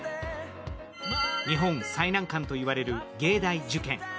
日本最難関と言われる芸大受験。